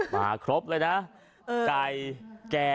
มาครบแล้วไก่แกะ